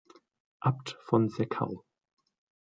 Abt von Seckau.